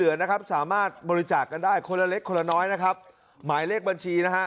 อืมเคยคุยกับพี่ไก่อยู่